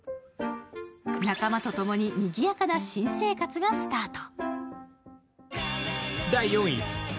仲間とともににぎやかな新生活がスタート。